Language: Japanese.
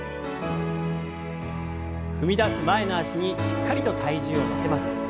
踏み出す前の脚にしっかりと体重を乗せます。